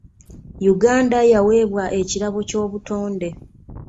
Uganda yaweebwa ekirabo ky'obutonde.